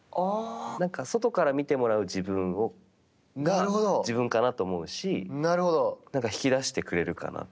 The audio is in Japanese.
外から見てもらう自分が自分かなと思うし、なんか引き出してくれるかなと。